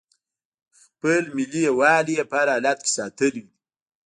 خپل ملي یووالی یې په هر حالت کې ساتلی دی.